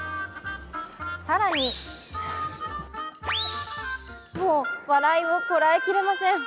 更にもう笑いをこらえきれません。